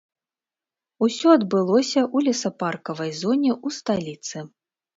Усё адбылося ў лесапаркавай зоне ў сталіцы.